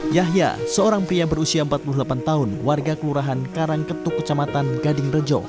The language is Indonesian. yahya seorang pria berusia empat puluh delapan tahun warga kelurahan karangketuk kecamatan gading rejo